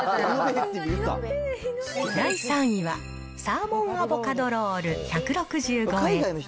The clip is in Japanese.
第３位は、サーモンアボカドロール、１６５円。